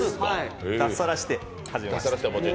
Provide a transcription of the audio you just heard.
脱サラして始めました。